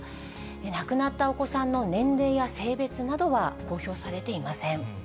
亡くなったお子さんの年齢や性別などは公表されていません。